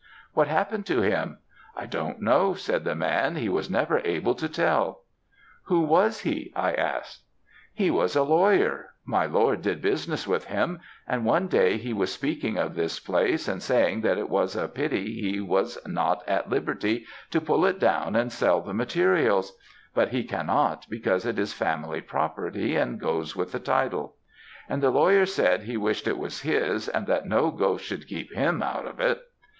"'What happened to him?' "'I don't know,' said the man; 'he was never able to tell.' "'Who was he?' I asked. "'He was a lawyer. My lord did business with him; and one day he was speaking of this place, and saying that it was a pity he was not at liberty to pull it down and sell the materials; but he cannot, because it is family property and goes with the title; and the lawyer said he wished it was his, and that no ghost should keep him out of it.